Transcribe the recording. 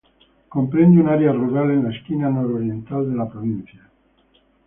Comprende un área rural en la esquina nororiental de la provincia.